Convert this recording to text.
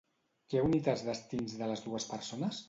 Què ha unit els destins de les dues persones?